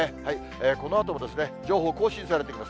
このあとも情報更新されていきます。